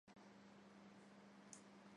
古赖亚特是阿曼马斯喀特附近的渔村。